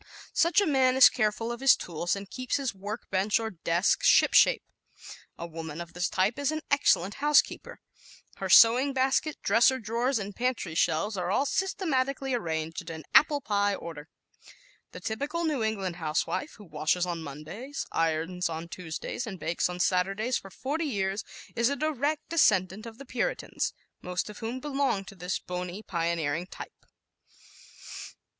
Such a man is careful of his tools and keeps his work bench or desk "shipshape." A woman of this type is an excellent housekeeper. Her sewing basket, dresser drawers and pantry shelves are all systematically arranged in apple pie order. The typical New England housewife, who washes on Mondays, irons on Tuesdays and bakes on Saturdays for forty years, is a direct descendant of the Puritans, most of whom belong to this bony, pioneering type.